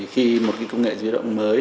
năm g là một công nghệ di động mới